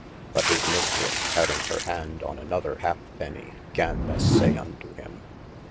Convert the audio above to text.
but his Mistresse (having hir hand on another halfpeny) gan thus say unto him.